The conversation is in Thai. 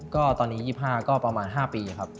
ก็ตอนนี้๒๕ก็ประมาณ๕ปีครับ